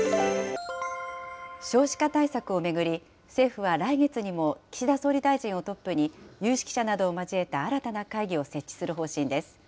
少子化対策を巡り、政府は来月にも、岸田総理大臣をトップに、有識者などを交えた新たな会議を設置する方針です。